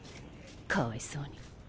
かわいそうに。